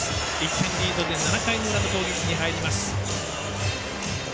１点リードで７回裏の攻撃に入ります。